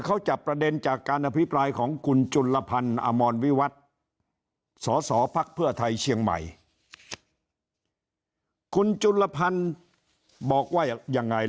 เขาจะประเด็นจากการอภิปรายของกุญจุลพรรณอมรวิวัตน์